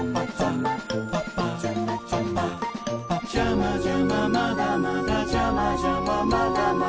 「ジャマジャマまだまだジャマジャマまだまだ」